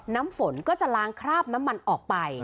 น้ำฝนก็จะล้างคราบน้ำมันออกไป